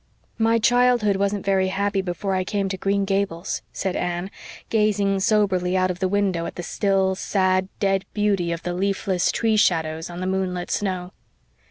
"My childhood wasn't very happy before I came to Green Gables," said Anne, gazing soberly out of the window at the still, sad, dead beauty of the leafless tree shadows on the moonlit snow.